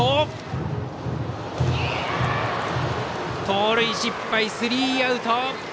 盗塁失敗、スリーアウト。